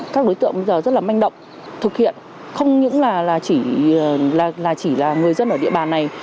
các đối tượng bây giờ rất là manh động thực hiện không những là chỉ là người dân ở địa bàn này